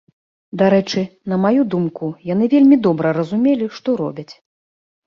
Дарэчы, на маю думку, яны вельмі добра разумелі, што робяць.